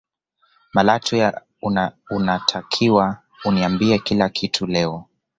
malatwe unatakiwa uniambie kila kitu leo